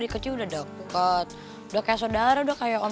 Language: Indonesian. iya gue janjikan